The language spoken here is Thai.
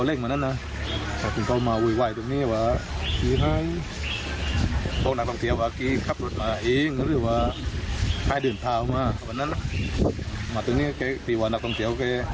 เราส่งคุณคุณค่ะวิมวันวันลงพื้นที่